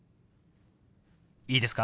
いいですか？